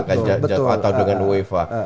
atau dengan uefa